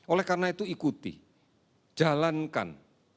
oleh karena itu ikuti jalankan